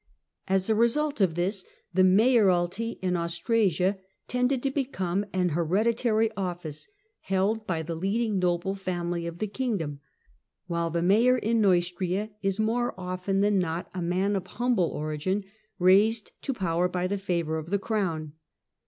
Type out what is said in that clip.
As a result of this, the mayoralty in Austrasia tended to become an hereditary office, held by the leading noble family of the kingdom, while the Mayor in Neustria is more often than not a man of humble origin raised to power by the favour of the Crown.